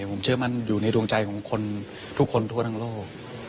ผมเชื่อมั่นอยู่ในดวงใจของคนทุกคนทั่วทั้งโลก